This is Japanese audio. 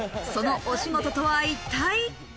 そのお仕事とは一体？